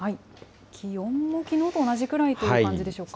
気温もきのうと同じくらいという感じでしょうか。